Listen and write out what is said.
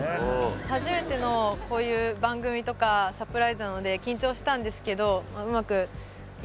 初めてのこういう番組とかサプライズなので緊張したんですけどいや